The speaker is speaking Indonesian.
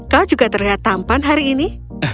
kau juga terlihat tampan hari ini